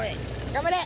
頑張れ！